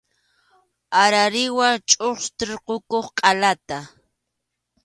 Arariwa chʼustirqukuq qʼalata.